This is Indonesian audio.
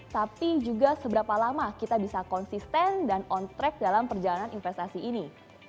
tapi juga seberapa lama kita bisa konsisten dan on track dalam perjalanan investasi ini